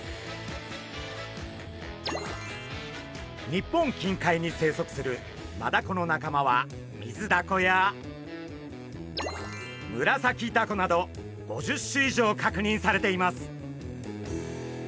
日本近海に生息するマダコの仲間はミズダコやムラサキダコなど５０種以上確認されています。